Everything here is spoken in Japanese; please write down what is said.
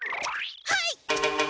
はい！